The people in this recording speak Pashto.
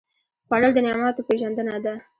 خوړل د نعماتو پېژندنه ده